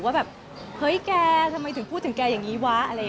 ว่าแบบเฮ้ยแกทำไมถึงพูดถึงแกอย่างนี้วะ